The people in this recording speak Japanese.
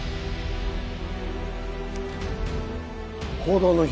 「報道の日」